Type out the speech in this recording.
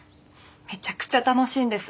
めちゃくちゃ楽しいんです。